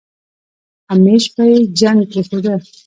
همېش به يې جنګ پرېښوده.